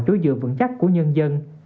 chối dựa vững chắc của nhân dân